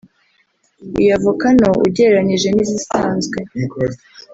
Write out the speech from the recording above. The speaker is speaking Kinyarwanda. Iyo avoka nto ugereranije n’izisanzwe